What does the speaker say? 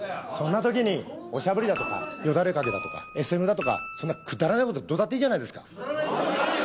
そんな時におしゃぶりだとかよだれかけだとかＳＭだとかそんなくだらない事どうだっていいじゃないですか。